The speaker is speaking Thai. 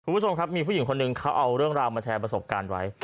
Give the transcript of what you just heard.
คุณผู้ชมครับมีผู้หญิงคนหนึ่งเขาเอาเรื่องราวมาแชร์ประสบการณ์ไว้